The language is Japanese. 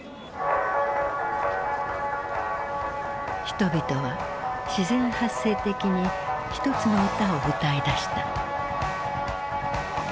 人々は自然発生的に一つの歌を歌いだした。